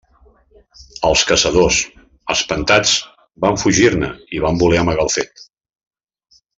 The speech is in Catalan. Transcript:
Els caçadors, espantats, van fugir-ne i van voler amagar el fet.